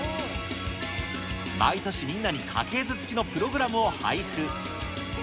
毎年みんなに家系図付きのプログラムを配布。